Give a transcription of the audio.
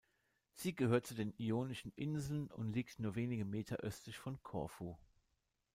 Sie gehört zu den Ionischen Inseln und liegt nur wenige Meter östlich von Korfu.